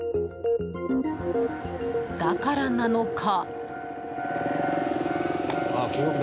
だからなのか。